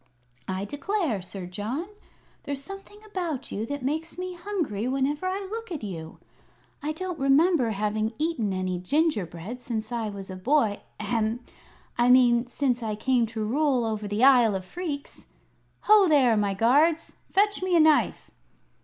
"I declare, Sir John, there's something about you that makes me hungry whenever I look at you. I don't remember having eaten any gingerbread since I was a boy ahem! I mean since I came to rule over the Isle of Phreex. Ho there, my guards! Fetch me a knife!"